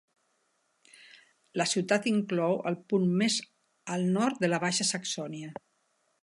La ciutat inclou el punt més al nord de la Baixa Saxònia.